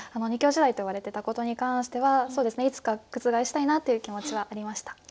２強時代といわれてたことに関してはそうですねいつか覆したいなという気持ちはありました。